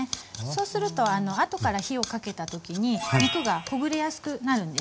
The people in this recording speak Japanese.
そうすると後から火をかけた時に肉がほぐれやすくなるんです。